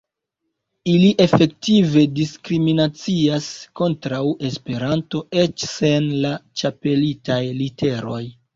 Ili efektive diskriminacias kontraŭ Esperanto eĉ sen la ĉapelitaj literoj.